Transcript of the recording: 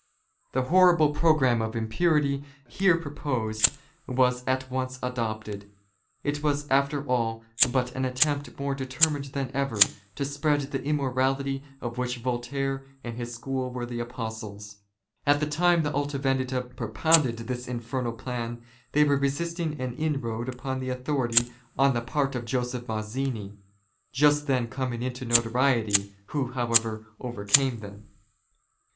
The horrible programme of impurity here proposed was at once adopted. It was after all but an attempt more deter mined than ever, to spread the immorality of which Voltaire and his school were the apostles. At the time the Aha Vendita propounded this infernal plan they were resisting an inroad upon their authority on the part of Joseph Mazzini, just then coming into notoriety, who, however, overcame them.